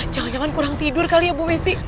jangan jangan kurang tidur kali ya bu messi